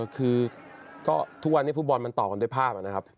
คือก็ทุกวันนี้ฟุตบอลมันต่อกันด้วยภาพนะครับ